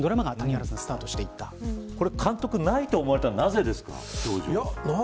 これ、監督ないと思われたのは何でですか。